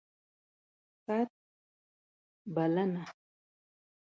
ست ... بلنه